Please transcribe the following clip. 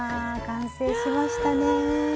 完成しましたね。